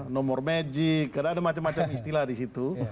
nomor magic ada macam macam istilah disitu